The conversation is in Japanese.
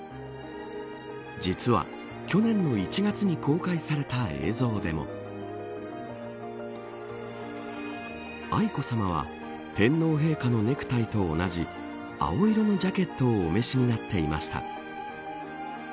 実は、去年の１月に公開された映像でも愛子さまは天皇陛下のネクタイと同じ青色のジャケットをお召しになっていました。